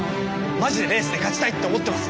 マジでレースで勝ちたいって思ってます！